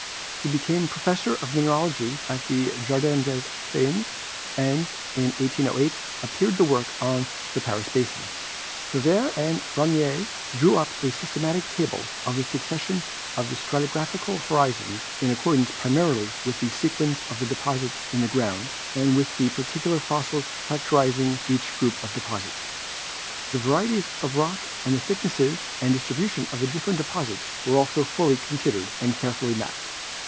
He became professor of mineralogy at the Jardin des Plantes and in 1808 appeared the work on the Paris basin. Cuvier and Brongniart drew up a systematic table of the succession of stratigraphical horizons in ac cordance primarily with the sequence of the deposits in the ground and with the particular fossils characterizing each group of deposits ; the varieties of rock and the thicknesses and distribution of different deposits were also fully con sidered and carefully mapped.